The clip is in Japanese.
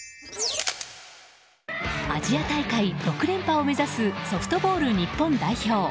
アジア大会６連覇を目指すソフトボール日本代表。